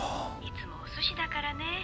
☎いつもおすしだからね。